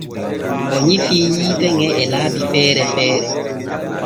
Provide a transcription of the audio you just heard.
O nyifii yiite ŋe e laabi feere feere.